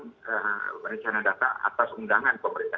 dan merancang data atas undangan pemerintah